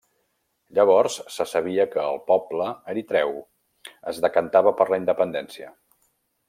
Llavors se sabia que el poble eritreu es decantava per la independència.